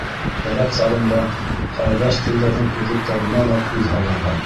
Кәрәк сағында ҡәрҙәш телдәрҙең һүҙлектәренә лә күҙ һалырға.